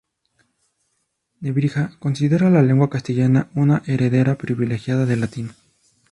Nebrija considera la lengua castellana una heredera privilegiada del latín.